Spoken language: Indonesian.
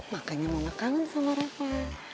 makanya mama kangen sama reva